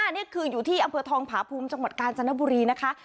๕๑๕นี่คืออยู่ที่อำเภอทองผาพุมจังหวัดกาลจันทร์บุรีนะคะ